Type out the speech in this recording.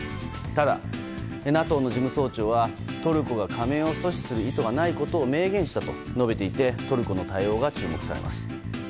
ただ、ＮＡＴＯの事務総長はトルコが加盟を阻止する意図がないことを明言したと述べていてトルコの対応が注目されます。